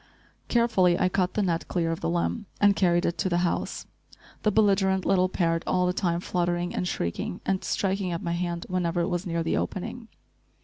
Carefully I cut the net clear of the limb and carried it to the house, the belligerent little parrot all the time fluttering and shrieking, and striking at my hand whenever it was near the opening.